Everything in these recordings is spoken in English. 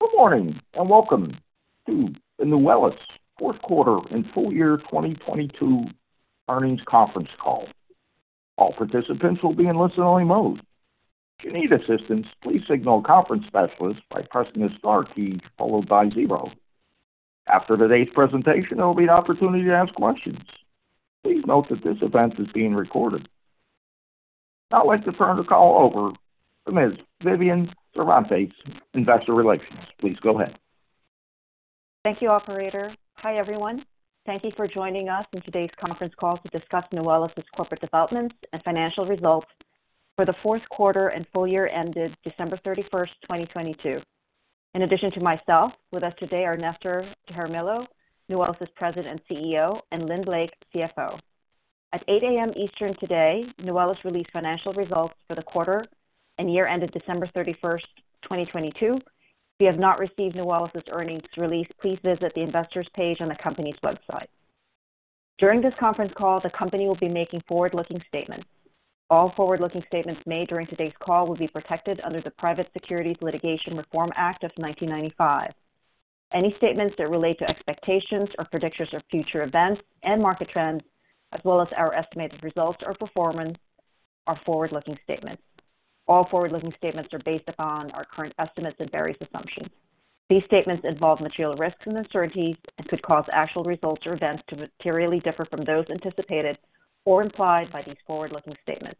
Good morning, and welcome to the Nuwellis Fourth Quarter And Full Year 2022 Earnings Conference Call. All participants will be in listen-only mode. If you need assistance, please signal a conference specialist by pressing the star key followed by zero. After today's presentation, there will be an opportunity to ask questions. Please note that this event is being recorded. Now I'd like to turn the call over to Ms. Vivian Cervantes, Investor Relations. Please go ahead. Thank you, operator. Hi, everyone. Thank you for joining us on today's conference call to discuss Nuwellis' corporate developments and financial results for the fourth quarter and full year ended December 31, 2022. In addition to myself, with us today are Nestor Jaramillo, Nuwellis' President and CEO, and Lynn Blake, CFO. At 8:00A.M. Eastern today, Nuwellis released financial results for the quarter and year ended December 31, 2022. If you have not received Nuwellis' earnings release please visit the investors page on the company's website. During this conference call, the company will be making forward-looking statements. All forward-looking statements made during today's call will be protected under the Private Securities Litigation Reform Act of 1995. Any statements that relate to expectations or predictions of future events and market trends, as well as our estimated results or performance, are forward-looking statements. All forward-looking statements are based upon our current estimates and various assumptions. These statements involve material risks and uncertainties and could cause actual results or events to materially differ from those anticipated or implied by these forward-looking statements.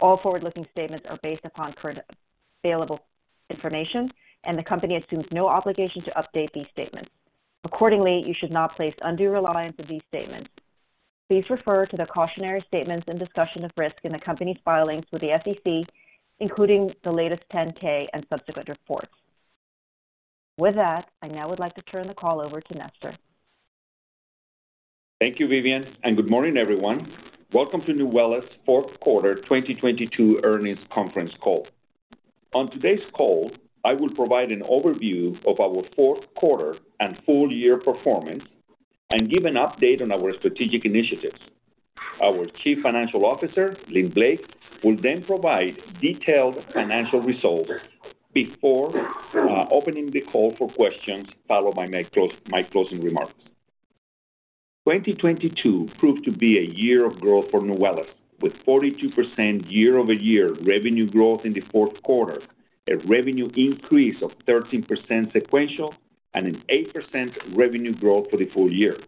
All forward-looking statements are based upon current available information, and the company assumes no obligation to update these statements. Accordingly, you should not place undue reliance on these statements. Please refer to the cautionary statements and discussion of risk in the company's filings with the SEC, including the latest 10-K and subsequent reports. With that, I now would like to turn the call over to Nestor. Thank you, Vivian. Good morning, everyone. Welcome to Nuwellis fourth quarter 2022 earnings conference call. On today's call, I will provide an overview of our fourth quarter and full year performance and give an update on our strategic initiatives. Our Chief Financial Officer, Lynn Blake, will then provide detailed financial results before opening the call for questions, followed by my closing remarks. 2022 proved to be a year of growth for Nuwellis, with 42% year-over-year revenue growth in the fourth quarter, a revenue increase of 13% sequential, and an 8% revenue growth for the full year.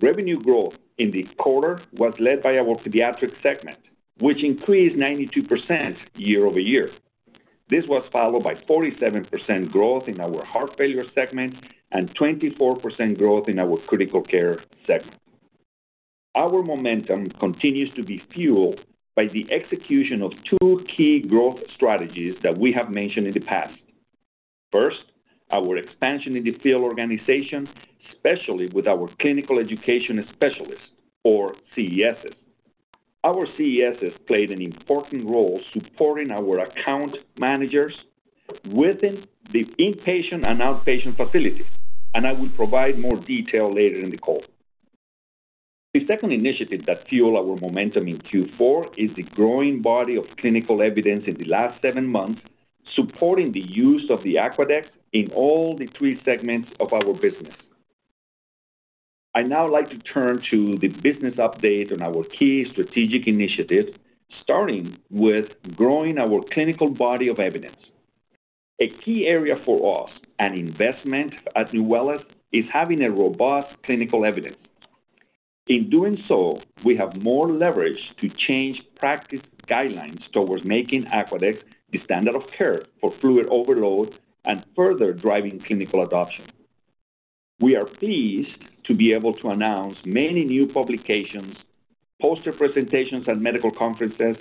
Revenue growth in the quarter was led by our pediatric segment, which increased 92% year-over-year. This was followed by 47% growth in our heart failure segment and 24% growth in our critical care segment. Our momentum continues to be fueled by the execution of two key growth strategies that we have mentioned in the past. First, our expansion in the field organization, especially with our Clinical Education Specialists or CESs. Our CESs played an important role supporting our account managers within the inpatient and outpatient facilities, and I will provide more detail later in the call. The second initiative that fueled our momentum in Q4 is the growing body of clinical evidence in the last seven months supporting the use of the Aquadex in all the three segments of our business. I'd now like to turn to the business update on our key strategic initiatives, starting with growing our clinical body of evidence. A key area for us and investment at Nuwellis is having a robust clinical evidence. In doing so, we have more leverage to change practice guidelines towards making Aquadex the standard of care for fluid overload and further driving clinical adoption. We are pleased to be able to announce many new publications, poster presentations at medical conferences,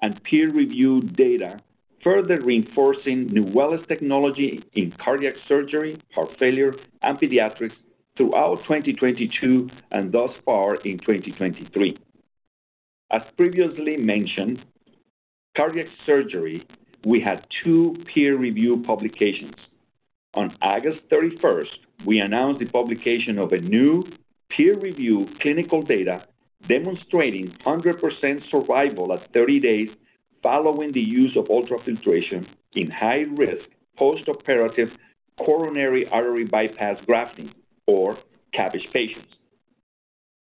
and peer-reviewed data further reinforcing Nuwellis technology in cardiac surgery, heart failure, and pediatrics throughout 2022 and thus far in 2023. As previously mentioned, cardiac surgery, we had two peer-review publications. On August 31st, we announced the publication of a new peer review clinical data demonstrating 100% survival at 30 days following the use of ultrafiltration in high-risk postoperative coronary artery bypass grafting or CABG patients.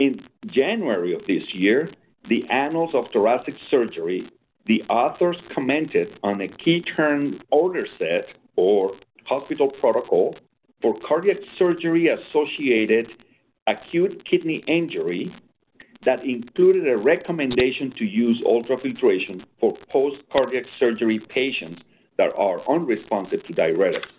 In January of this year, The Annals of Thoracic Surgery, the authors commented on a turnkey order set or hospital protocol for cardiac surgery-associated acute kidney injury that included a recommendation to use ultrafiltration for post-cardiac surgery patients that are unresponsive to diuretics.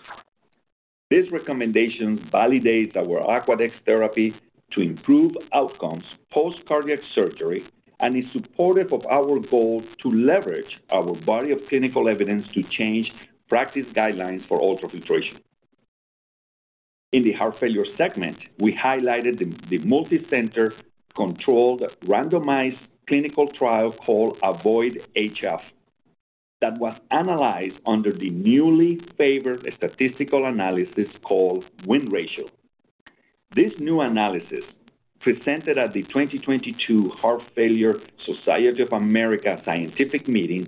These recommendations validate our Aquadex therapy to improve outcomes post cardiac surgery and is supportive of our goal to leverage our body of clinical evidence to change practice guidelines for ultrafiltration. In the heart failure segment, we highlighted the multicenter controlled randomized clinical trial called AVOID-HF that was analyzed under the newly favored statistical analysis called win ratio. This new analysis, presented at the 2022 Heart Failure Society of America scientific meeting,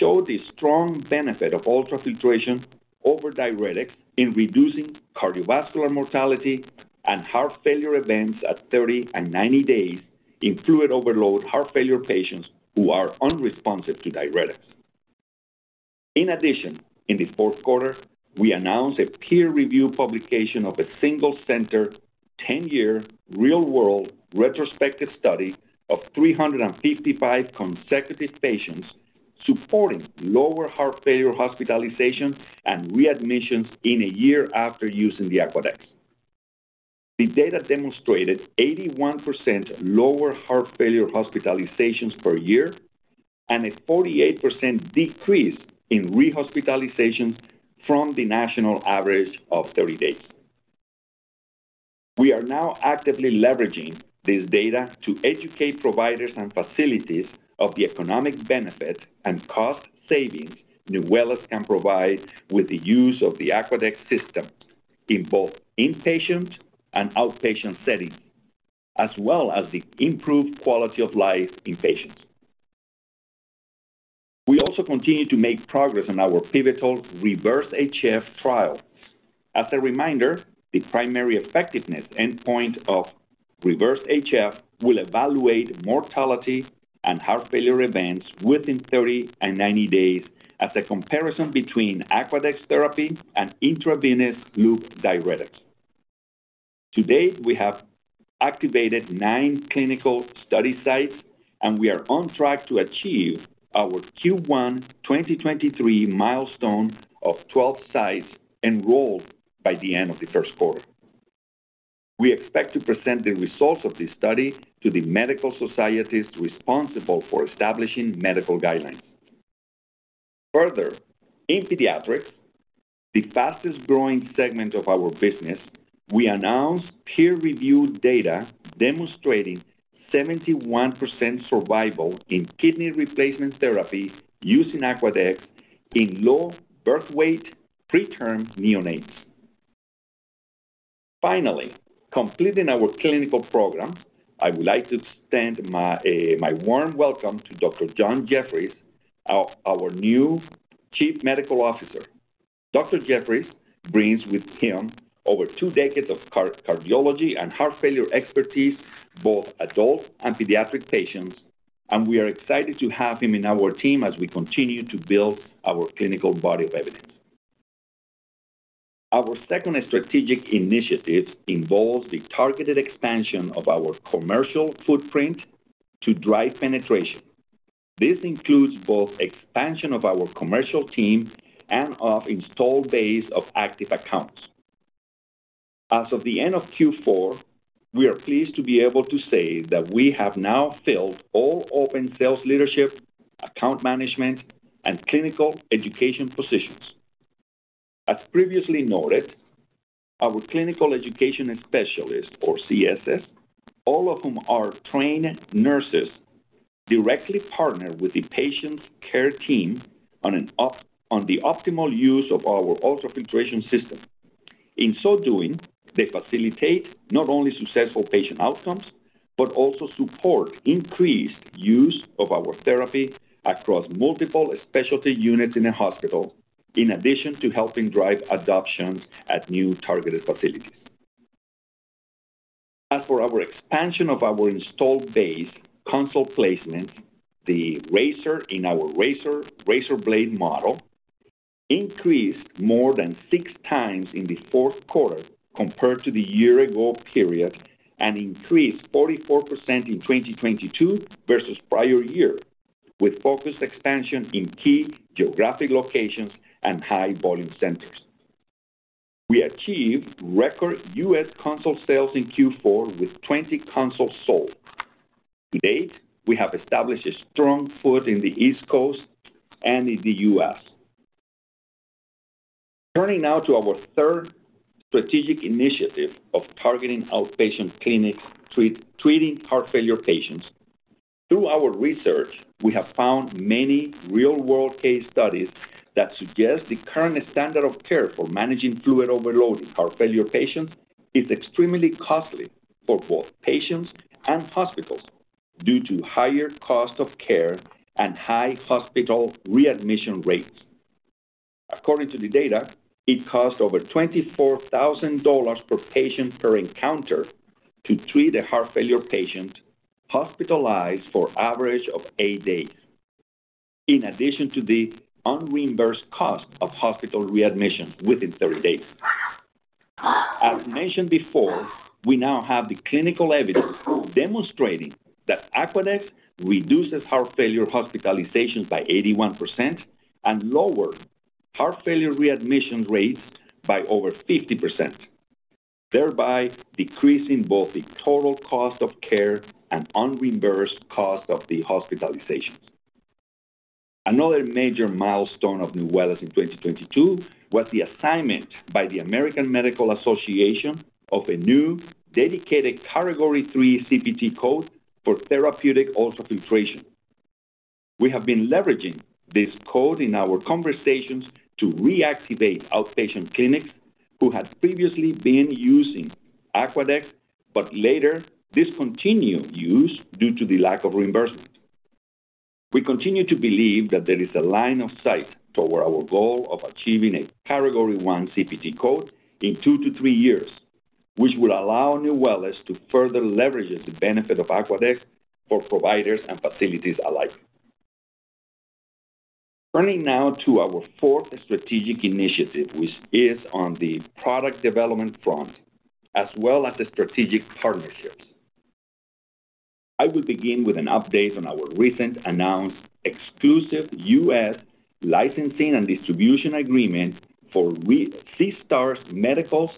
showed the strong benefit of ultrafiltration over diuretics in reducing cardiovascular mortality and heart failure events at 30 and 90 days in fluid overload heart failure patients who are unresponsive to diuretics. In addition, in the fourth quarter, we announced a peer-reviewed publication of a single-center, 10-year, real-world, retrospective study of 355 consecutive patients supporting lower heart failure hospitalizations and readmissions in a year after using the Aquadex. The data demonstrated 81% lower heart failure hospitalizations per year and a 48% decrease in rehospitalizations from the national average of 30 days. We are now actively leveraging this data to educate providers and facilities of the economic benefit and cost savings Nuwellis can provide with the use of the Aquadex system in both inpatient and outpatient settings, as well as the improved quality of life in patients. We also continue to make progress on our pivotal REVERSE-HF trial. As a reminder, the primary effectiveness endpoint of REVERSE-HF will evaluate mortality and heart failure events within 30 and 90 days as a comparison between Aquadex therapy and intravenous loop diuretics. To date, we have activated nine clinical study sites, and we are on track to achieve our Q1 2023 milestone of 12 sites enrolled by the end of the first quarter. We expect to present the results of this study to the medical societies responsible for establishing medical guidelines. Further, in pediatrics, the fastest-growing segment of our business, we announced peer-reviewed data demonstrating 71% survival in kidney replacement therapy using Aquadex in low birth weight preterm neonates. Finally, completing our clinical program, I would like to extend my warm welcome to Dr. John Jefferies, our new Chief Medical Officer. John Jefferies brings with him over two decades of cardiology and heart failure expertise, both adult and pediatric patients, we are excited to have him in our team as we continue to build our clinical body of evidence. Our second strategic initiative involves the targeted expansion of our commercial footprint to drive penetration. This includes both expansion of our commercial team and of installed base of active accounts. As of the end of Q4, we are pleased to be able to say that we have now filled all open sales leadership, account management, and clinical education positions. As previously noted, our clinical education specialists, or CESs, all of whom are trained nurses, directly partner with the patient's care team on the optimal use of our ultrafiltration system. They facilitate not only successful patient outcomes but also support increased use of our therapy across multiple specialty units in a hospital, in addition to helping drive adoptions at new targeted facilities. The razor in our razor blade model increased more than 6x in the fourth quarter compared to the year-ago period and increased 44% in 2022 versus prior year, with focused expansion in key geographic locations and high-volume centers. We achieved record U.S. console sales in Q4 with 20 consoles sold. To date, we have established a strong foot in the East Coast and in the U.S. Turning now to our third strategic initiative of targeting outpatient clinics treating heart failure patients. Through our research, we have found many real-world case studies that suggest the current standard of care for managing fluid overload in heart failure patients is extremely costly for both patients and hospitals due to higher costs of care and high hospital readmission rates. According to the data, it costs over $24,000 per patient per encounter to treat a heart failure patient hospitalized for average of eight days, in addition to the unreimbursed cost of hospital readmission within 30 days. As mentioned before, we now have the clinical evidence demonstrating that Aquadex reduces heart failure hospitalizations by 81% and lower heart failure readmission rates by over 50%, thereby decreasing both the total cost of care and unreimbursed cost of the hospitalizations. Another major milestone of Nuwellis in 2022 was the assignment by the American Medical Association of a new dedicated category three CPT code for therapeutic ultrafiltration. We have been leveraging this code in our conversations to reactivate outpatient clinics who had previously been using Aquadex, later discontinued use due to the lack of reimbursement. We continue to believe that there is a line of sight toward our goal of achieving a category one CPT code in two to three years, which will allow Nuwellis to further leverage the benefit of Aquadex for providers and facilities alike. Turning now to our fourth strategic initiative, which is on the product development front, as well as the strategic partnerships. I will begin with an update on our recent announced exclusive U.S. licensing and distribution agreement for SeaStar Medical's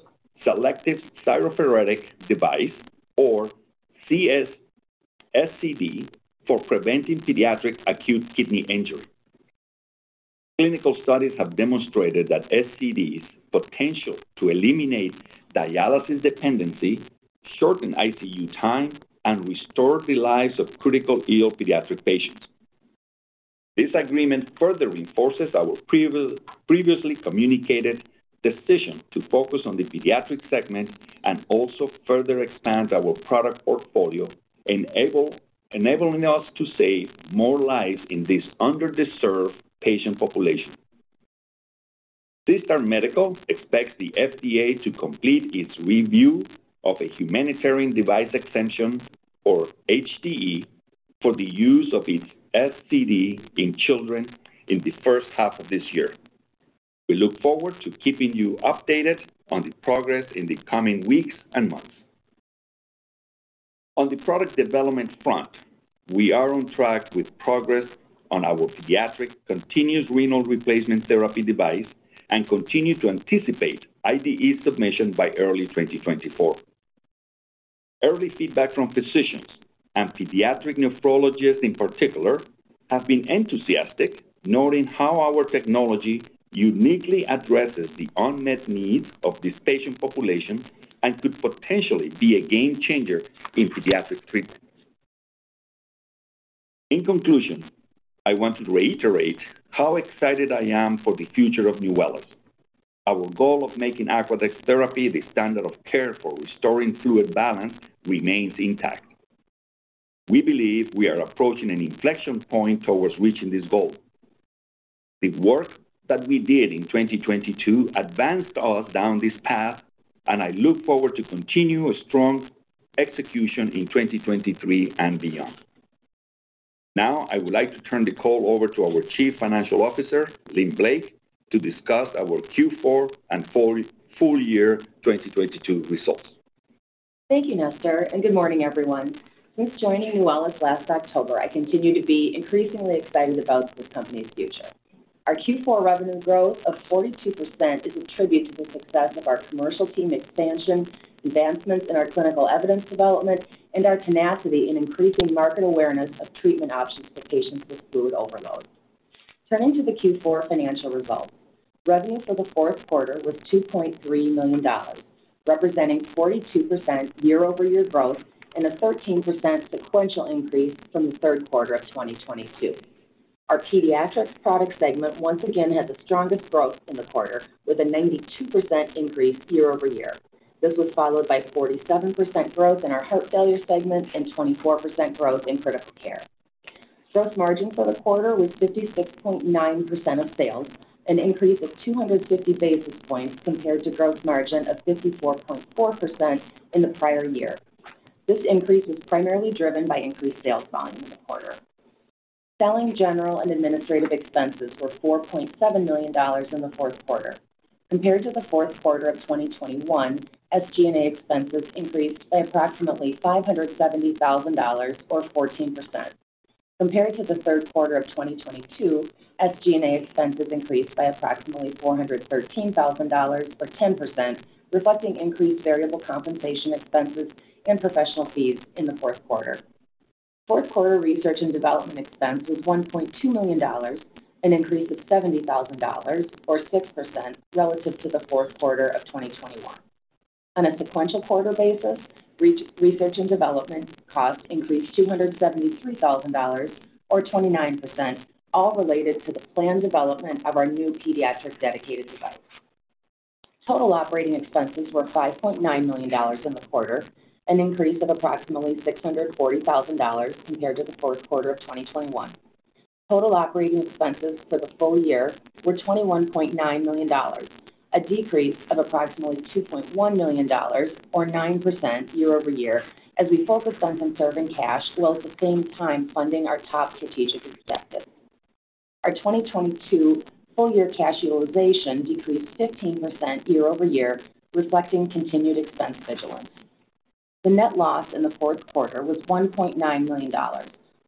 Selective Cytopheretic Device or SCD for preventing pediatric acute kidney injury. Clinical studies have demonstrated that SCD's potential to eliminate dialysis dependency, shorten ICU time, and restore the lives of critical ill pediatric patients. This agreement further reinforces our previously communicated decision to focus on the pediatric segment and also further expand our product portfolio enabling us to save more lives in this underserved patient population. SeaStar Medical expects the FDA to complete its review of a humanitarian device exemption or HDE for the use of its SCD in children in the first half of this year. We look forward to keeping you updated on the progress in the coming weeks and months. On the product development front, we are on track with progress on our pediatric continuous renal replacement therapy device and continue to anticipate IDE submission by early 2024. Early feedback from physicians and pediatric nephrologists in particular, have been enthusiastic, noting how our technology uniquely addresses the unmet needs of this patient population and could potentially be a game changer in pediatric treatment. In conclusion, I want to reiterate how excited I am for the future of Nuwellis. Our goal of making Aquadex therapy the standard of care for restoring fluid balance remains intact. We believe we are approaching an inflection point towards reaching this goal. The work that we did in 2022 advanced us down this path, and I look forward to continue a strong execution in 2023 and beyond. Now, I would like to turn the call over to our Chief Financial Officer, Lynn Blake, to discuss our Q4 and full year 2022 results. Thank you, Nestor, and good morning, everyone. Since joining Nuwellis last October, I continue to be increasingly excited about this company's future. Our Q4 revenue growth of 42% is a tribute to the success of our commercial team expansion, advancements in our clinical evidence development, and our tenacity in increasing market awareness of treatment options for patients with fluid overload. Turning to the Q4 financial results. Revenue for the fourth quarter was $2.3 million, representing 42% year-over-year growth and a 13% sequential increase from the third quarter of 2022. Our pediatrics product segment once again had the strongest growth in the quarter, with a 92% increase year-over-year. This was followed by 47% growth in our heart failure segment and 24% growth in critical care. Gross margin for the quarter was 56.9% of sales, an increase of 250 basis points compared to gross margin of 54.4% in the prior year. This increase was primarily driven by increased sales volume in the quarter. Selling general and administrative expenses were $4.7 million in the fourth quarter. Compared to the fourth quarter of 2021, SG&A expenses increased by approximately $570,000 or 14%. Compared to the third quarter of 2022, SG&A expenses increased by approximately $413,000 or 10%, reflecting increased variable compensation expenses and professional fees in the fourth quarter. Fourth quarter research and development expense was $1.2 million, an increase of $70,000 or 6% relative to the fourth quarter of 2021. Research and development costs increased $273,000 or 29%, all related to the planned development of our new pediatric dedicated device. Total operating expenses were $5.9 million in the quarter, an increase of approximately $640,000 compared to the fourth quarter of 2021. Total operating expenses for the full year were $21.9 million, a decrease of approximately $2.1 million or 9% year-over-year as we focused on conserving cash while at the same time funding our top strategic objectives. Our 2022 full year cash utilization decreased 15% year-over-year, reflecting continued expense vigilance. The net loss in the fourth quarter was $1.9 million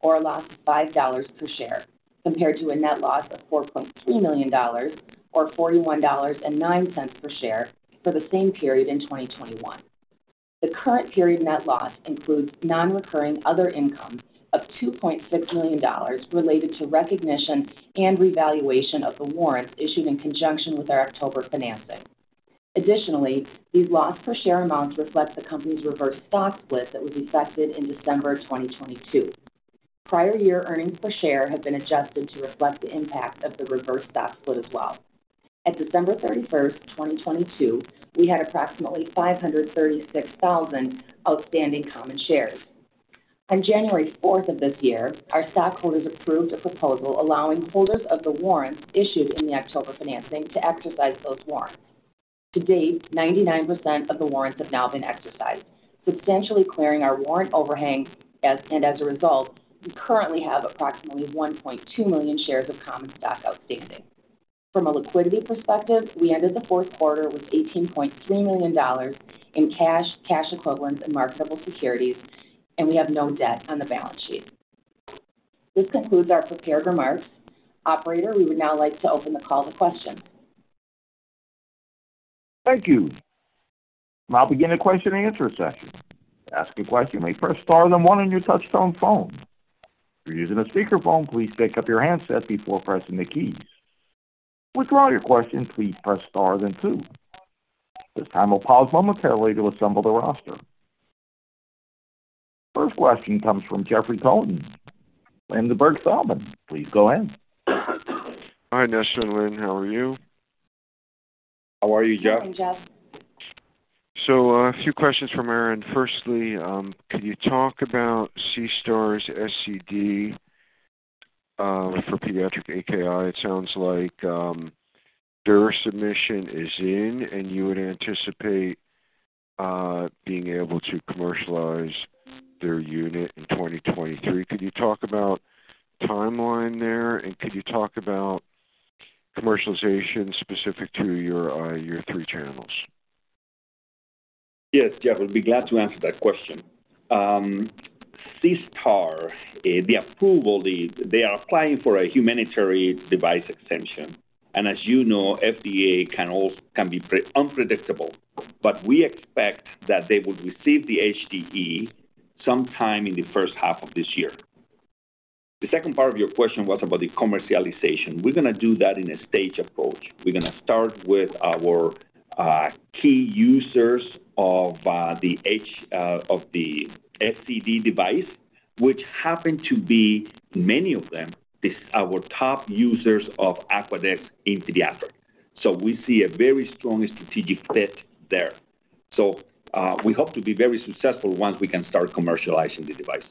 or a loss of $5 per share, compared to a net loss of $4.2 million or $41.09 per share for the same period in 2021. The current period net loss includes non-recurring other income of $2.6 million related to recognition and revaluation of the warrants issued in conjunction with our October financing. These loss per share amounts reflect the company's reverse stock split that was effective in December of 2022. Prior year earnings per share have been adjusted to reflect the impact of the reverse stock split as well. At December 31st, 2022, we had approximately 536,000 outstanding common shares. On January fourth of this year, our stockholders approved a proposal allowing holders of the warrants issued in the October financing to exercise those warrants. To date, 99% of the warrants have now been exercised, substantially clearing our warrant overhangs and as a result, we currently have approximately 1.2 million shares of common stock outstanding. From a liquidity perspective, we ended the fourth quarter with $18.3 million in cash equivalents, and marketable securities, and we have no debt on the balance sheet. This concludes our prepared remarks. Operator, we would now like to open the call to questions. Thank you. Begin the question and answer session. To ask a question, please press star then one on your touch-tone phone. If you're using a speakerphone, please pick up your handset before pressing the keys. To withdraw your question, please press star then two. At this time, we'll pause momentarily to assemble the roster. First question comes from Jeffrey Cohen, Ladenburg Thalmann. Please go ahead. Hi, Nestor and Lynn. How are you? How are you, Jeff? Good morning, Jeff. A few questions from Aaron. Firstly, can you talk about SeaStar's SCD for pediatric AKI? It sounds like their submission is in, and you would anticipate being able to commercialize their unit in 2023. Could you talk about timeline there, and could you talk about commercialization specific to your three channels? Yes, Jeffrey Cohen, I'll be glad to answer that question. SeaStar Medical, they are applying for a humanitarian device extension. As you know, FDA can be unpredictable, but we expect that they will receive the HDE sometime in the first half of this year. The second part of your question was about the commercialization. We're gonna do that in a stage approach. We're gonna start with our key users of the FCD device, which happen to be many of them is our top users of Aquadex in PED APHERESIS. We see a very strong strategic fit there. We hope to be very successful once we can start commercializing the device.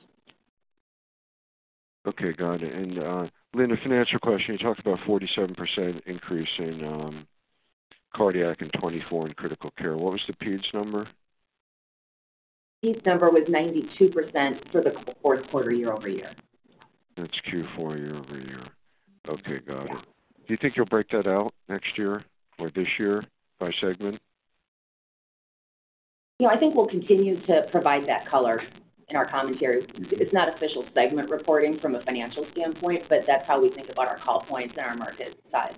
Okay. Got it. Lynn, a financial question. You talked about 47% increase in, cardiac and 24 in critical care. What was the peds number? Peds number was 92% for the fourth quarter year-over-year. That's Q4 year-over-year. Okay. Got it. Yeah. Do you think you'll break that out next year or this year by segment? You know, I think we'll continue to provide that color in our commentary. It's not official segment reporting from a financial standpoint, but that's how we think about our call points and our market size.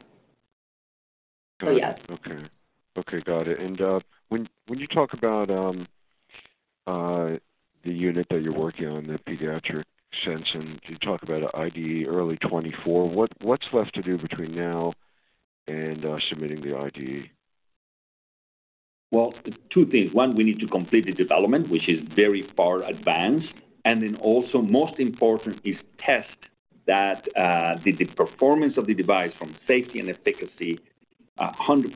Got it. Yes. Okay. Okay. Got it. When you talk about the unit that you're working on, the pediatric sense, and you talk about IDE early 2024, what's left to do between now and submitting the IDE? Well, two things. One, we need to complete the development, which is very far advanced. Also most important is test that the performance of the device from safety and efficacy, 100%.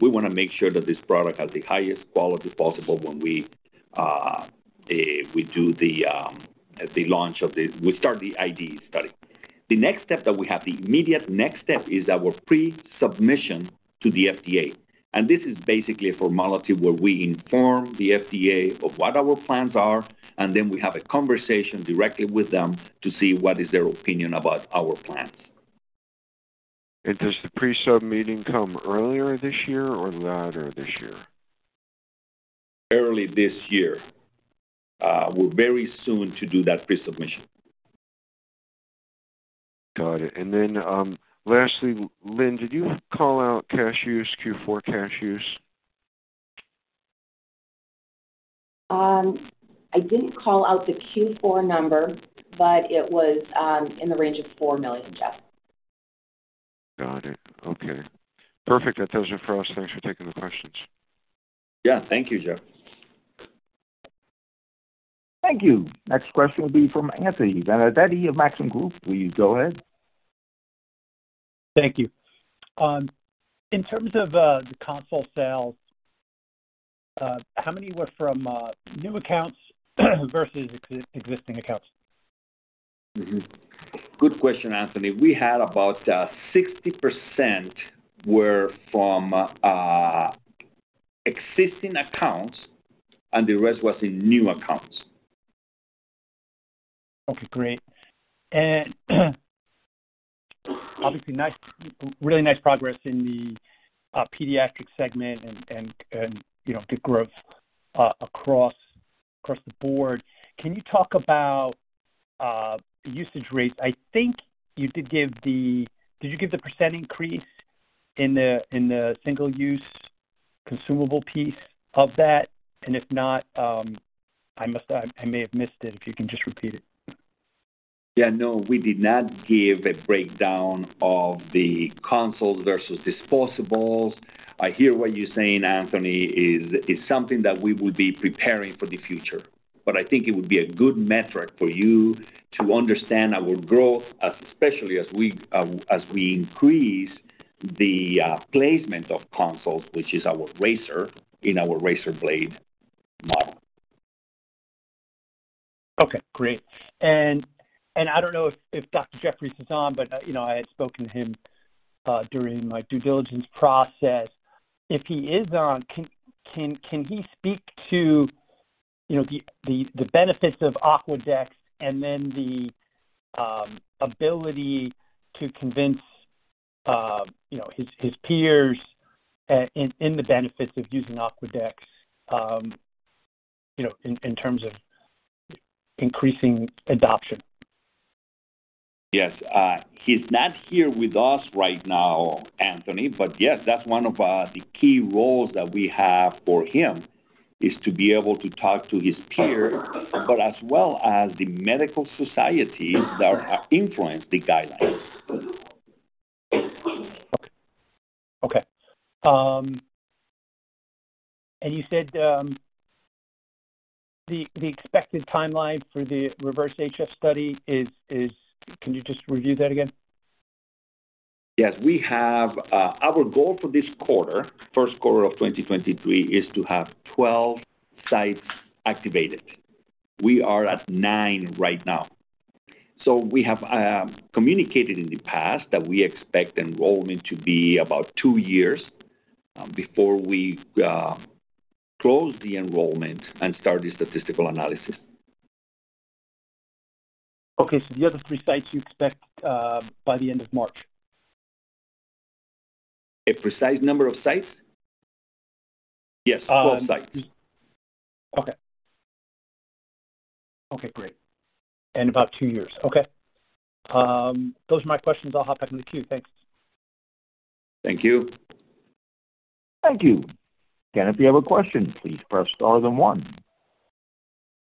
We wanna make sure that this product has the highest quality possible when we do the launch of this. We start the IDE study. The next step that we have, the immediate next step is our pre-submission to the FDA. This is basically a formality where we inform the FDA of what our plans are, and then we have a conversation directly with them to see what is their opinion about our plans. Does the pre-sub meeting come earlier this year or later this year? Early this year. We're very soon to do that pre-submission. Got it. Lastly, Lynn, did you call out cash use, Q4 cash use? I didn't call out the Q-four number, but it was in the range of $4 million, Jeff. Got it. Okay. Perfect. That does it for us. Thanks for taking the questions. Yeah. Thank you, Jeff. Thank you. Next question will be from Anthony Vendetti of Maxim Group. Please go ahead. Thank you. In terms of the console sales, how many were from new accounts versus existing accounts? Mm-hmm. Good question, Anthony. We had about 60% were from existing accounts. The rest was in new accounts. Okay, great. Obviously nice, really nice progress in the pediatric segment and, you know, the growth across the board. Can you talk about usage rates? I think you did give the. Did you give the % increase in the single-use consumable piece of that? If not, I may have missed it. If you can just repeat it. Yeah, no, we did not give a breakdown of the consoles versus disposables. I hear what you're saying, Anthony. It is, it's something that we will be preparing for the future. I think it would be a good metric for you to understand our growth, especially as we increase the placement of consoles, which is our razor in our razor blade model. Okay, great. I don't know if Dr. Jefferies is on, but, you know, I had spoken to him during my due diligence process. If he is on, can he speak to, you know, the benefits of Aquadex and then the ability to convince, you know, his peers in the benefits of using Aquadex, you know, in terms of increasing adoption? Yes. He's not here with us right now, Anthony. Yes, that's one of the key roles that we have for him, is to be able to talk to his peers, as well as the medical societies that influence the guidelines. Okay. Okay. You said, the expected timeline for the REVERSE-HF study. Can you just review that again? Yes. We have our goal for this quarter, first quarter of 2023, is to have 12 sites activated. We are at nine right now. We have communicated in the past that we expect enrollment to be about two years, before we close the enrollment and start the statistical analysis. Okay. The other three sites you expect by the end of March? A precise number of sites? Yes, 12 sites. Okay, great. About two years. Okay. Those are my questions. I'll hop back in the queue. Thanks. Thank you. Thank you. Again, if you have a question, please press star then one.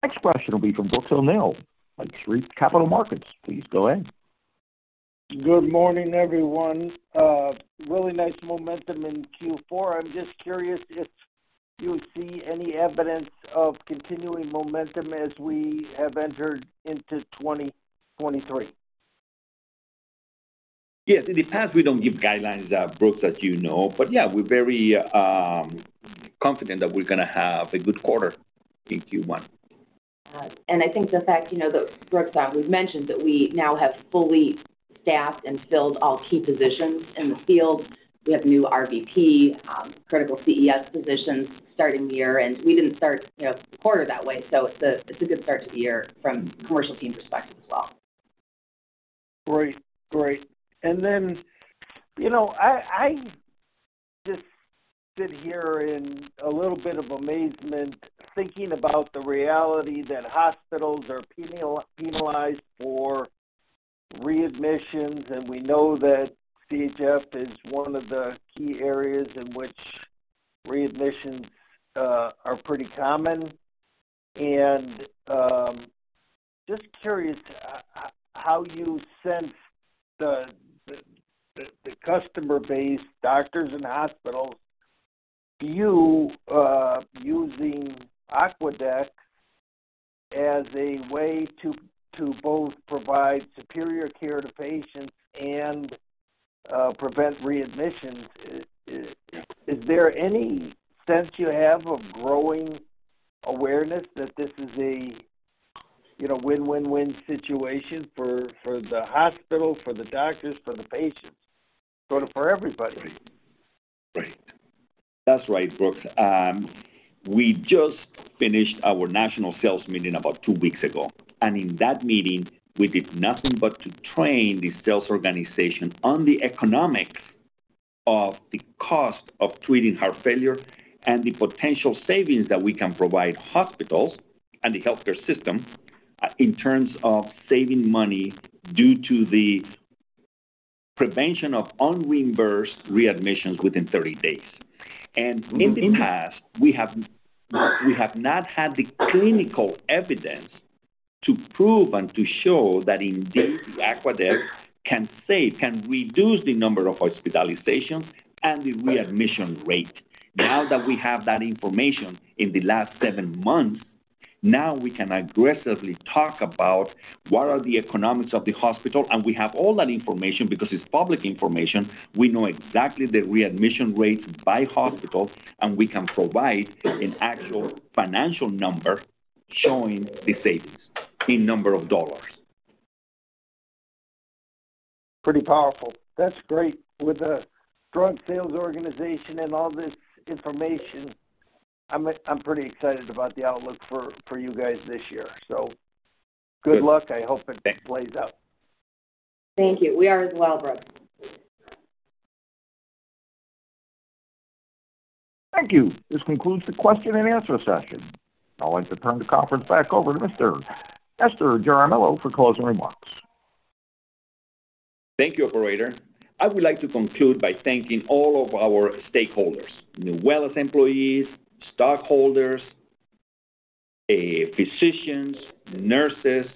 Next question will be from Brooks O'Neil at Lake Street Capital Markets. Please go ahead. Good morning, everyone. Really nice momentum in Q4. I'm just curious if you see any evidence of continuing momentum as we have entered into 2023. Yes. In the past, we don't give guidelines, Brooks, as you know, but yeah, we're very confident that we're gonna have a good quarter in Q1. I think the fact, you know, that Brooks, we've mentioned that we now have fully staffed and filled all key positions in the field. We have new RVP, critical CES positions starting the year, and we didn't start, you know, the quarter that way. It's a good start to the year from commercial team perspective as well. Great. Great. you know, I just sit here in a little bit of amazement thinking about the reality that hospitals are penalized for readmissions, we know that CHF is one of the key areas in which readmissions are pretty common. just curious how you sense the customer base, doctors and hospitals view using Aquadex as a way to both provide superior care to patients and prevent readmissions. Is there any sense you have of growing awareness that this is a, you know, win-win-win situation for the hospital, for the doctors, for the patients, for everybody? Right. Right. That's right, Brooks. We just finished our national sales meeting about two weeks ago. In that meeting, we did nothing but to train the sales organization on the economics of the cost of treating heart failure and the potential savings that we can provide hospitals and the healthcare system in terms of saving money due to the prevention of un-reimbursed readmissions within 30 days. In the past, we have not had the clinical evidence to prove and to show that indeed Aquadex can save, can reduce the number of hospitalizations and the readmission rate. Now that we have that information in the last seven months, now we can aggressively talk about what are the economics of the hospital. We have all that information because it's public information. We know exactly the readmission rates by hospital, and we can provide an actual financial number showing the savings in number of dollars. Pretty powerful. That's great. With a strong sales organization and all this information, I'm pretty excited about the outlook for you guys this year. Good luck. Thank you. I hope it plays out. Thank you. We are as well, Brooks. Thank you. This concludes the question and answer session. I'd like to turn the conference back over to Mr. Nestor Jaramillo for closing remarks. Thank you, operator. I would like to conclude by thanking all of our stakeholders. Nuwellis' employees, stockholders, physicians, nurses,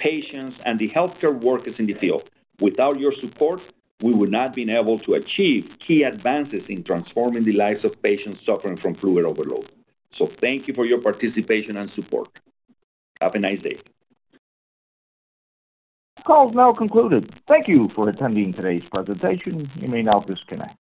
patients, and the healthcare workers in the field. Without your support, we would not been able to achieve key advances in transforming the lives of patients suffering from fluid overload. Thank you for your participation and support. Have a nice day. Call is now concluded. Thank you for attending today's presentation. You may now disconnect.